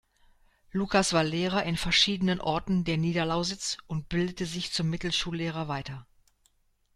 Lukas war Lehrer in verschiedenen Orten der Niederlausitz und bildete sich zum Mittelschullehrer weiter.